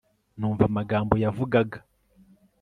numva amagambo yavugaga